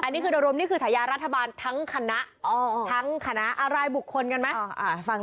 อันนี้คืออารมณ์นี่คือฉายารัฐบาลทั้งคณะทั้งคณะอะไรบุคคลกันไหม